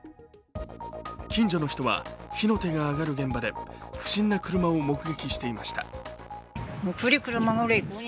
近所の人は火の手が上がる現場で不審な車を目撃していました。